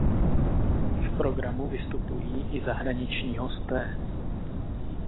V programu vystupují i zahraniční hosté.